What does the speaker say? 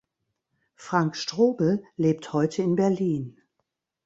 Frank Strobel lebt heute in Berlin.